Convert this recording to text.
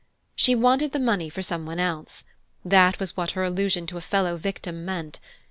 She wanted the money for some one else; that was what her allusion to a fellow victim meant.